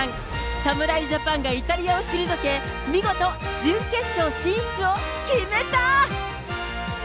侍ジャパンがイタリアを退け、見事準決勝進出を決めた。